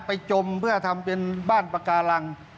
จมเพื่อทำเป็นบ้านปากาลัง